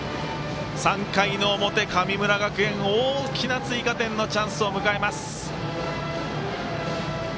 ３回の表、神村学園大きな追加点のチャンスを迎えます。